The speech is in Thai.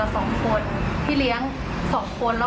แล้วก็พวกคล้องยังไม่ทันเข้ามา